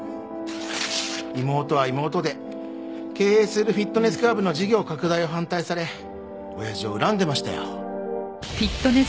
妹は妹で経営するフィットネスクラブの事業拡大を反対され親父を恨んでましたよ。